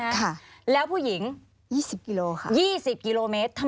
๒๐กับ๕๐กิโลเมตร